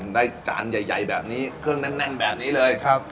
ได้จานใหญ่แบบนี้เครื่องแน่นแบบนี้เลย